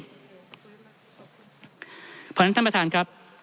เพราะฉะนั้นท่านประธานครับ